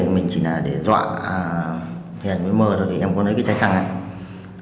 mình chỉ là để dọa hiền với mơ rồi thì em có lấy cái trái xăng này